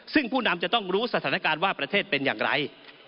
ซึ่งผู้นำจะต้องรู้สถานการณ์ว่าประเทศเป็นอย่างไร